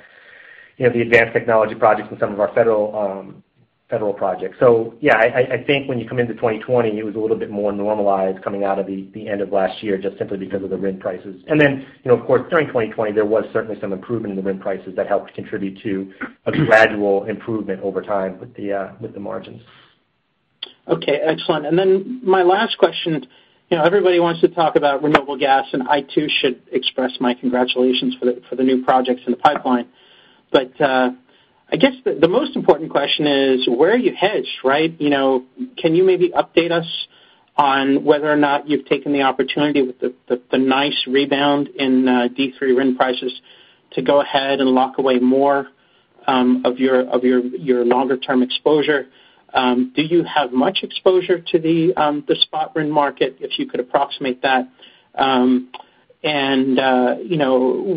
H: advanced technology projects and some of our federal projects. Yeah, I think when you come into 2020, it was a little bit more normalized coming out of the end of last year, just simply because of the RIN prices. Of course, during 2020, there was certainly some improvement in the RIN prices that helped contribute to a gradual improvement over time with the margins.
J: Okay, excellent. My last question, everybody wants to talk about renewable gas, and I, too, should express my congratulations for the new projects in the pipeline. I guess the most important question is, where are you hedged, right? Can you maybe update us on whether or not you've taken the opportunity with the nice rebound in D3 RIN prices to go ahead and lock away more of your longer-term exposure? Do you have much exposure to the spot RIN market, if you could approximate that?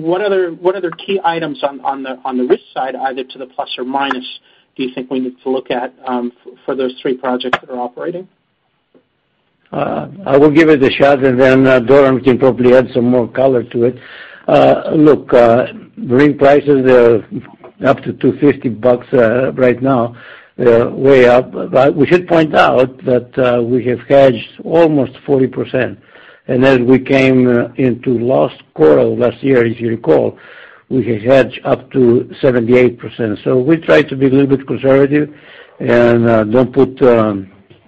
J: What other key items on the risk side, either to the plus or minus, do you think we need to look at for those three projects that are operating?
C: I will give it a shot, then Doran can probably add some more color to it. Look, RIN prices are up to $250 right now. They're way up. We should point out that we have hedged almost 40%. As we came into last quarter of last year, if you recall, we had hedged up to 78%. We try to be a little bit conservative and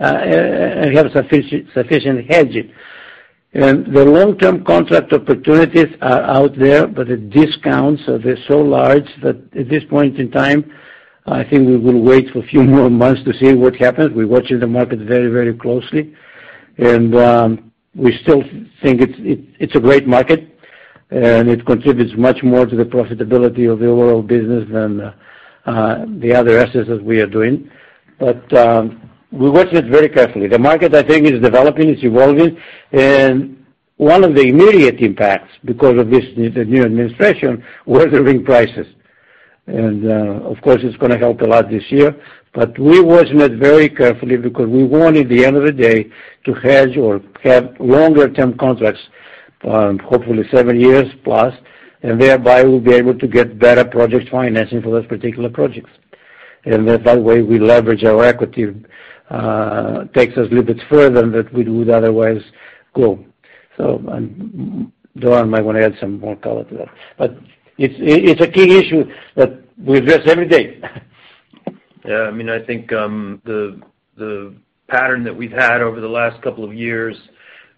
C: have sufficient hedging. The long-term contract opportunities are out there, but the discounts are so large that at this point in time, I think we will wait for a few more months to see what happens. We're watching the market very closely. We still think it's a great market, and it contributes much more to the profitability of the overall business than the other assets that we are doing. We watch it very carefully. The market, I think, is developing, it's evolving. One of the immediate impacts because of this new administration were the RIN prices. Of course, it's going to help a lot this year. We're watching it very carefully because we want, at the end of the day, to hedge or have longer-term contracts, hopefully seven years plus, and thereby we'll be able to get better project financing for those particular projects. That way, we leverage our equity. It takes us a little bit further than we would otherwise go. Doran might want to add some more color to that. It's a key issue that we address every day.
D: Yeah. I think the pattern that we've had over the last couple of years,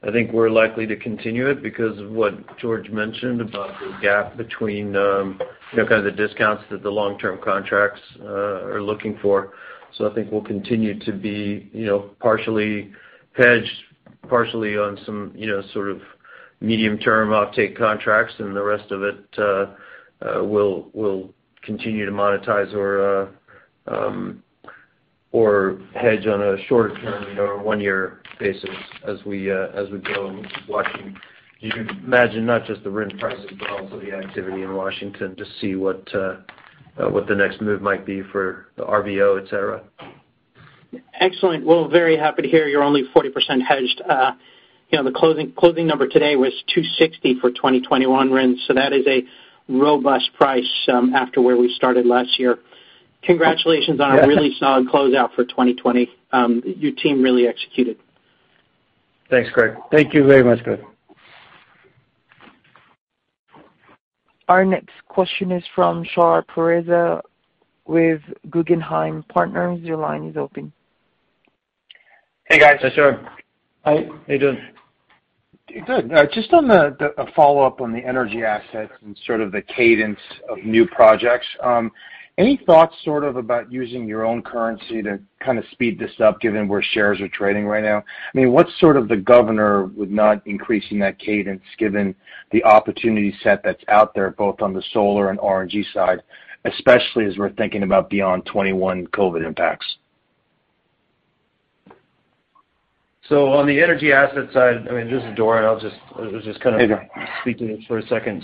D: I think we're likely to continue it because of what George mentioned about the gap between the kind of the discounts that the long-term contracts are looking for. I think we'll continue to be partially hedged, partially on some sort of medium-term offtake contracts, and the rest of it we'll continue to monetize or hedge on a short-term or one-year basis as we go. Watching, you can imagine not just the RIN prices, but also the activity in Washington to see what the next move might be for the RVO, et cetera.
J: Excellent. Well, very happy to hear you're only 40% hedged. The closing number today was $260 for 2021 RINs. That is a robust price after where we started last year. Congratulations on a really solid closeout for 2020. Your team really executed.
D: Thanks, Craig.
C: Thank you very much, Craig.
A: Our next question is from Shahriar Pourreza with Guggenheim Partners. Your line is open.
K: Hey, guys.
D: Hey, Shahriar.
C: Hi.
D: How you doing?
K: Good. Just on the follow-up on the energy assets and sort of the cadence of new projects, any thoughts sort of about using your own currency to kind of speed this up, given where shares are trading right now? I mean, what's sort of the governor with not increasing that cadence given the opportunity set that's out there, both on the solar and RNG side, especially as we're thinking about beyond 2021 COVID-19 impacts?
D: On the energy asset side, this is Doran-
K: Hey, Doran.
D: Speaking for a second.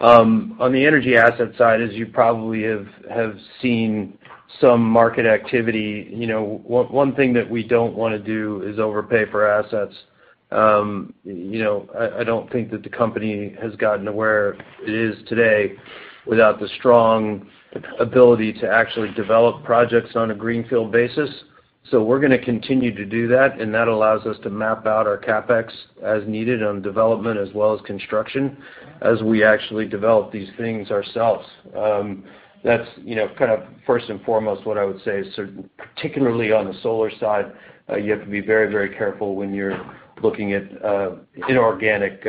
D: On the energy asset side, as you probably have seen some market activity, one thing that we don't want to do is overpay for assets. I don't think that the company has gotten to where it is today without the strong ability to actually develop projects on a greenfield basis. We're going to continue to do that, and that allows us to map out our CapEx as needed on development as well as construction as we actually develop these things ourselves. That's kind of first and foremost what I would say is, particularly on the solar side, you have to be very careful when you're looking at inorganic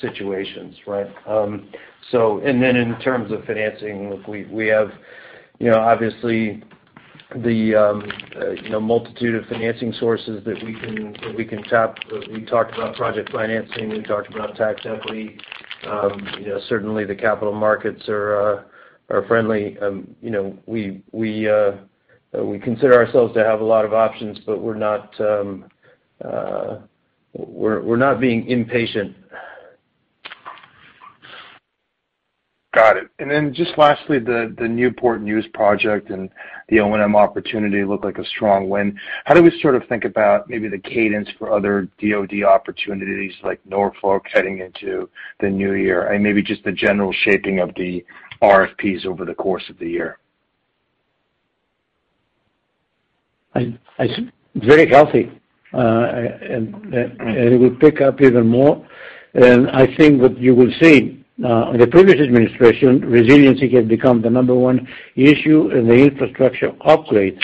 D: situations, right? In terms of financing, look, we have obviously the multitude of financing sources that we can tap. We talked about project financing, we talked about tax equity. Certainly, the capital markets are friendly. We consider ourselves to have a lot of options, but we're not being impatient.
K: Got it. Just lastly, the Newport News project and the O&M opportunity look like a strong win. How do we sort of think about maybe the cadence for other DoD opportunities like Norfolk heading into the new year, and maybe just the general shaping of the RFPs over the course of the year?
C: Very healthy. It will pick up even more. I think what you will see, in the previous administration, resiliency has become the number one issue, and the infrastructure upgrades,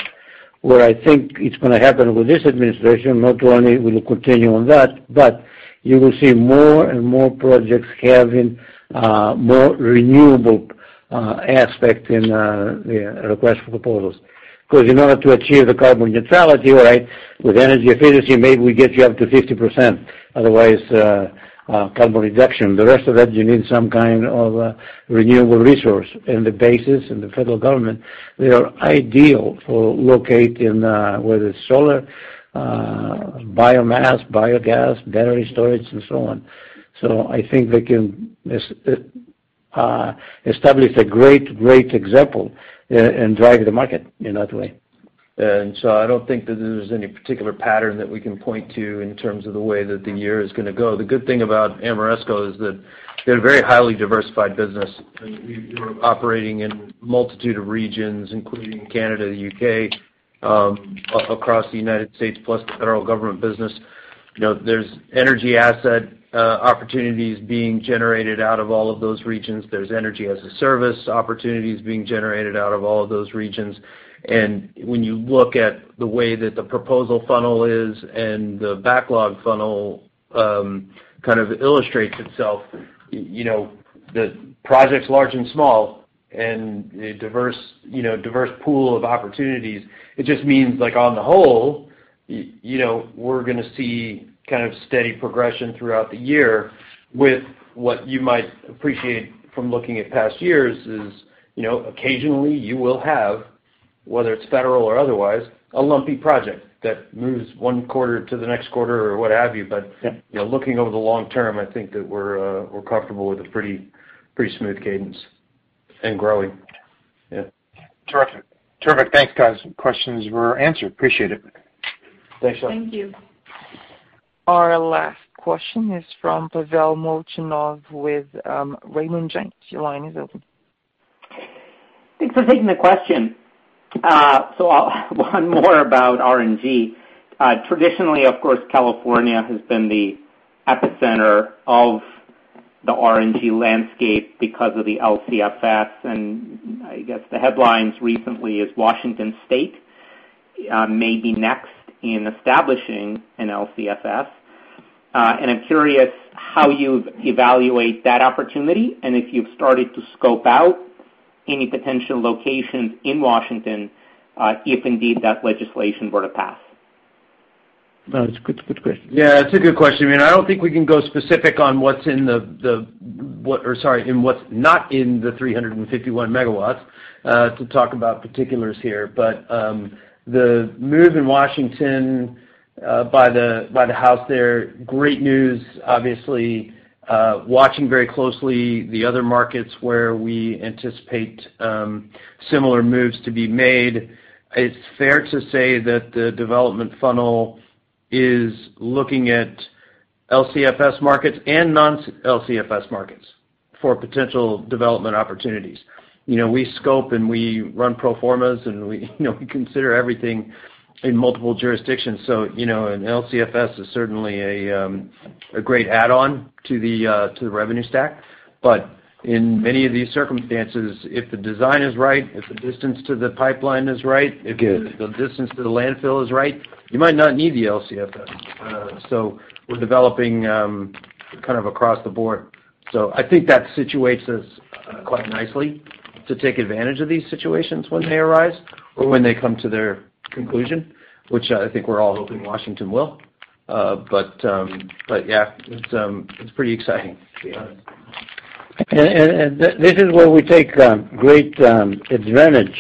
C: where I think it's going to happen with this administration, not only will it continue on that, but you will see more and more projects having more renewable aspect in the request for proposals. Because in order to achieve the carbon neutrality, with energy efficiency, maybe we get you up to 50%. Otherwise, carbon reduction. The rest of that, you need some kind of renewable resource. The bases and the federal government, they are ideal for locating, whether it's solar, biomass, biogas, battery storage, and so on. I think they can establish a great example and drive the market in that way.
D: I don't think that there's any particular pattern that we can point to in terms of the way that the year is going to go. The good thing about Ameresco is that they're a very highly diversified business, and we're operating in a multitude of regions, including Canada, the U.K., across the United States, plus the Federal Government business. There's energy asset opportunities being generated out of all of those regions. There's energy-as-a-service opportunities being generated out of all of those regions. When you look at the way that the proposal funnel is and the backlog funnel kind of illustrates itself, the projects large and small, and a diverse pool of opportunities. It just means, on the whole, we're going to see kind of steady progression throughout the year with what you might appreciate from looking at past years is, occasionally you will have, whether it's Federal or otherwise, a lumpy project that moves one quarter to the next quarter or what have you. Looking over the long term, I think that we're comfortable with a pretty smooth cadence and growing.
K: Yeah. Terrific. Thanks, guys. Questions were answered. Appreciate it.
D: Thanks, Shahriar.
A: Thank you. Our last question is from Pavel Molchanov with Raymond James. Your line is open.
L: Thanks for taking the question. One more about RNG. Traditionally, of course, California has been the epicenter of the RNG landscape because of the LCFS. I guess the headlines recently is Washington State may be next in establishing an LCFS. I'm curious how you evaluate that opportunity and if you've started to scope out any potential locations in Washington, if indeed that legislation were to pass.
C: No, it's a good question.
D: Yeah, I mean, it's a good question. I mean, I don't think we can go specific on what's not in the 351 MW to talk about particulars here. The move in Washington by the House there, great news, obviously. Watching very closely the other markets where we anticipate similar moves to be made. It's fair to say that the development funnel is looking at LCFS markets and non-LCFS markets for potential development opportunities. We scope, we run pro formas, and we consider everything in multiple jurisdictions. An LCFS is certainly a great add-on to the revenue stack. In many of these circumstances, if the design is right, if the distance to the pipeline is right-
C: It is.
D: If the distance to the landfill is right, you might not need the LCFS. We're developing kind of across the board. I think that situates us quite nicely to take advantage of these situations when they arise or when they come to their conclusion, which I think we're all hoping Washington will. Yeah, it's pretty exciting, to be honest.
C: This is where we take great advantage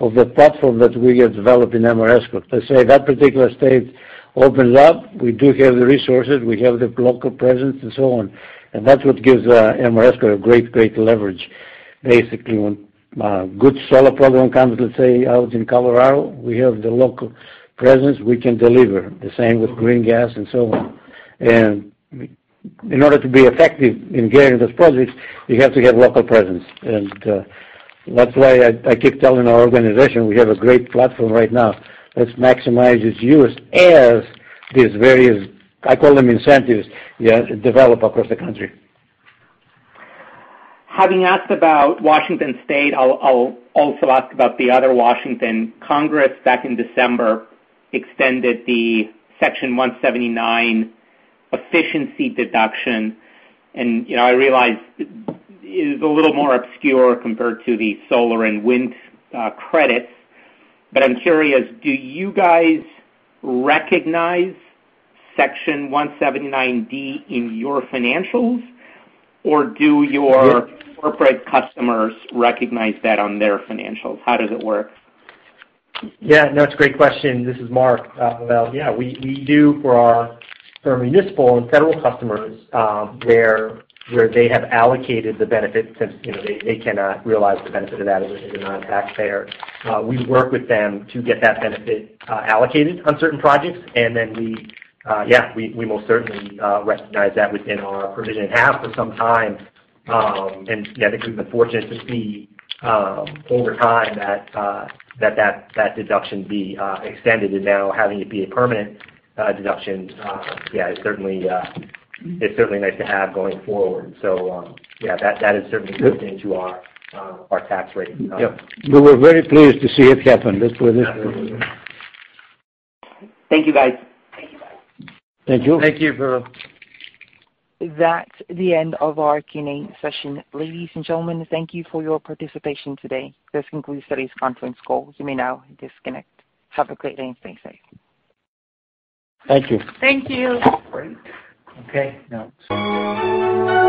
C: of the platform that we have developed in Ameresco. Let's say that particular state opens up, we do have the resources, we have the local presence, and so on. That's what gives Ameresco a great leverage. Basically, when a good solar program comes, let's say, out in Colorado, we have the local presence, we can deliver. The same with green gas and so on. In order to be effective in getting those projects, you have to get local presence. That's why I keep telling our organization, we have a great platform right now. Let's maximize its use as these various, I call them incentives, develop across the country.
L: Having asked about Washington State, I'll also ask about the other Washington. Congress, back in December, extended the Section 179D efficiency deduction. I realize it is a little more obscure compared to the solar and wind credits, but I'm curious, do you guys recognize Section 179D in your financials? Or do your corporate customers recognize that on their financials? How does it work?
H: No, it's a great question. This is Mark. Well, yeah, we do for our municipal and federal customers, where they have allocated the benefit, since they cannot realize the benefit of that as a non-taxpayer. We work with them to get that benefit allocated on certain projects. We, yeah, we most certainly recognize that within our provision and have for some time. I think we've been fortunate to see, over time, that deduction be extended and now having it be a permanent deduction, yeah, it's certainly nice to have going forward. Yeah, that has certainly moved into our tax rate.
C: Yep. We were very pleased to see it happen. Let's put it that way.
L: Thank you, guys.
C: Thank you.
H: Thank you.
A: That's the end of our Q&A session. Ladies and gentlemen, thank you for your participation today. This concludes today's conference call. You may now disconnect. Have a great day and stay safe.
C: Thank you.
B: Thank you.
H: Great. Okay, now.